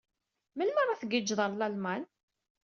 Melmi ara tgijjeḍ ɣer Lalman?